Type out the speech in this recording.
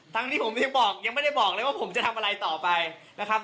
ทั้งที่ผมยังบอกยังไม่ได้บอกเลยว่าผมจะทำอะไรต่อไปนะครับ